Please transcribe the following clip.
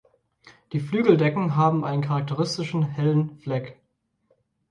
Die Flügeldecken haben einen charakteristischen hellen Fleck.